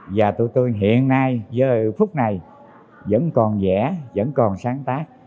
và tụi tôi hiện nay giờ phút này vẫn còn vẽ vẫn còn sáng tác